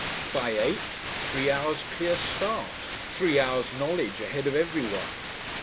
By eight three hours' clear start, three hours' knowledge ahead of everyone.